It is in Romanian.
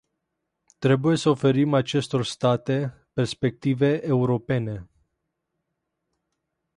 Trebuie să oferim acestor state perspective europene.